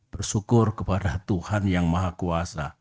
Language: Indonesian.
bersyukur kepada tuhan yang maha kuasa